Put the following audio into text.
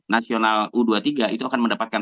nasional u dua puluh tiga itu akan mendapatkan